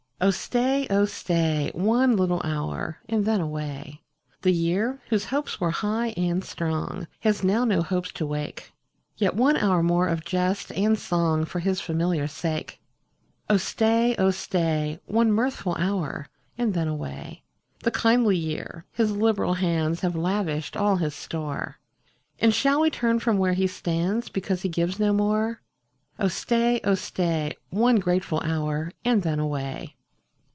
Oh stay, oh stay. One little hour, and then away. The year, whose hopes were high and strong, Has now no hopes to wake ; Yet one hour more of jest and song For his familiar sake. Oh stay, oh stay, One mirthful hour, and then away. 36 POEMS. The kindly year, his liberal hands Have lavished all his store. And shall we turn from where he stands, Because he gives no more? Oh stay, oh stay, One grateful hotir, and then away.